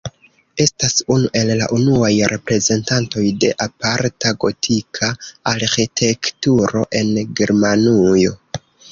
Estas unu el la unuaj reprezentantoj de aparta gotika arĥitekturo en Germanujo.